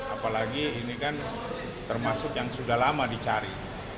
apalagi ini kan termasuk yang sudah lama dicari